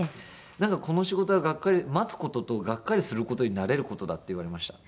なんかこの仕事はがっかり「待つ事とがっかりする事に慣れる事だ」って言われました。